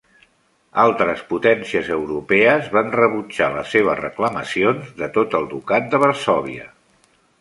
Altres potències europees van rebutjar les seves reclamacions de tot el Ducat de Varsòvia.